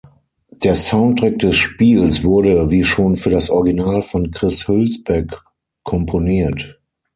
Der Soundtrack des Spiels wurde, wie schon für das Original, von Chris Hülsbeck komponiert.